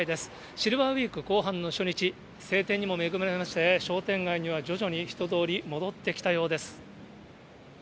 シルバーウイーク後半の初日、晴天にも恵まれまして、商店街には徐々に人通り、戻ってきたようです。